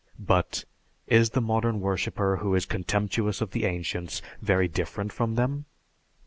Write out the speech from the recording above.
But, is the modern worshipper who is contemptuous of the ancients very different from them?